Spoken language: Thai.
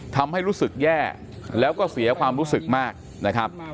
ทำให้รู้สึกแย่แล้วก็เสียความรู้สึกมากนะครับ